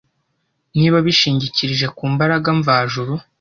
Niba bishingikirije ku mbaraga mvajuru